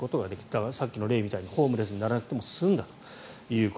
だから、さっきの例みたいにホームレスにならなくて済んだと。